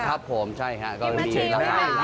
ครับผมใช่ค่ะก็มีน้ำชีพนะคะ